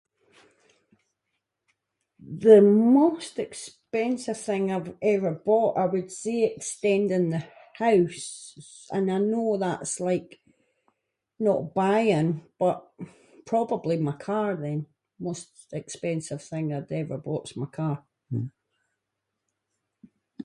The most expensive thing I’ve ever bought, I would say extending the house, and I know that’s like, not buying, but probably my car then, most expensive thing I’ve ever bought’s my car.